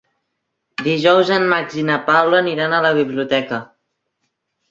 Dijous en Max i na Paula aniran a la biblioteca.